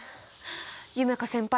夢叶先輩